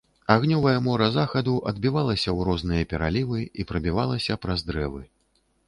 Агнёвае мора захаду адбівалася ў розныя пералівы і прабівалася праз дрэвы.